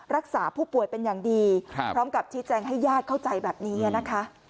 รักษาผู้ป่วยเป็นอย่างดีพร้อมกับชี้แจงให้ญาติเข้าใจแบบนี้นะคะ